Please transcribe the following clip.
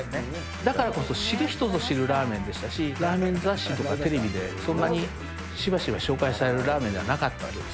だからこそ知る人ぞ知るラーメンでしたし、ラーメン雑誌とかテレビでそんなにしばしば紹介されるラーメンじゃなかったわけです。